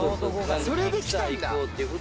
それで来たんだ。